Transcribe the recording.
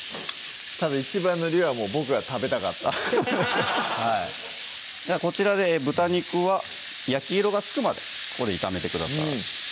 たぶん一番の理由は僕が食べたかったはいこちらで豚肉は焼き色がつくまでここで炒めてください